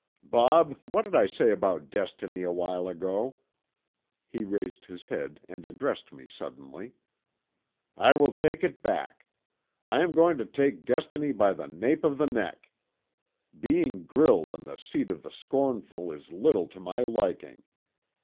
"Bob, what did I say about Destiny awhile ago?" he raised his head and addressed me suddenly. "I will take it back. I am going to take Destiny by the nape of the neck. Being grilled on the seat of the scornful is little to my liking.